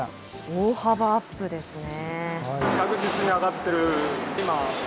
大幅アップですね。